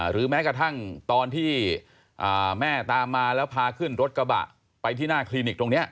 หรือแม้กระทั่งตอนที่แม่ตามมาแล้วพาขึ้นรถกระบะไปที่หน้าคลินิกตรงนี้